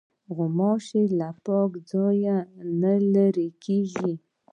غوماشې له پاک ځای نه لیري کېږي.